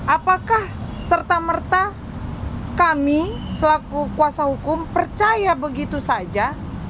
apakah serta merta kami selaku kuasa hukum percaya begitu saja